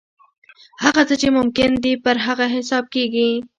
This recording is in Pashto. هغه څه چې ممکن دي پر هغه حساب کېږي.